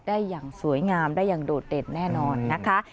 ได้อย่างสวยงามได้อย่างโดดเด่นแน่นอนนะคะ